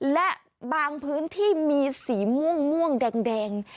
และบางพื้นที่มีสีม่วงแดง